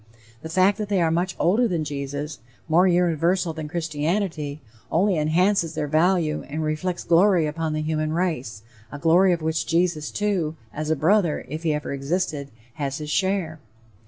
The fact that they are much older than Jesus, more universal than Christianity, only enhances their value and reflects glory upon the human race, a glory of which Jesus, too, as a brother, if he ever existed, has his share.